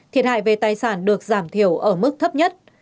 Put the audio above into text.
thiệt hại về tài sản được giảm thiểu ở mức thấp nhất